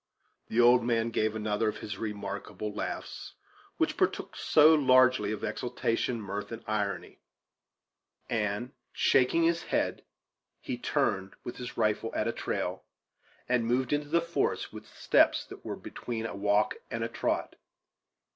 The old man gave another of his remarkable laughs, which partook so largely of exultation, mirth, and irony, and, shaking his head, he turned, with his rifle at a trail, and moved into the forest with steps that were between a walk and a trot.